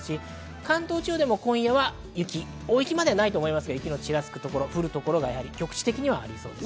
関東地方でも今夜は雪、大雪まではないと思いますが、ちらつく、降る所が局地的にありそうです。